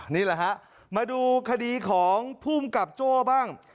นี่แหละฮะมาดูคดีของภูมิกับโจ้บ้าง